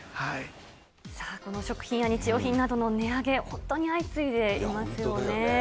さあ、この食品や日用品などの値上げ、本当に相次いでいますよね。